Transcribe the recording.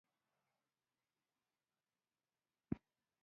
ملګرو ځینې مشورې شریکې کړې.